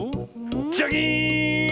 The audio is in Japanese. ジャキーン！